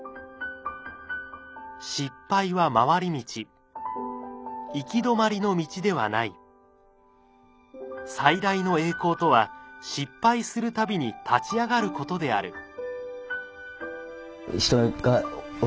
「失敗は回り道」「行き止まりの道ではない」「最大の栄光とは失敗するたびに立ち上がることである」